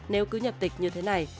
nếu cứ nhập tịch như thế này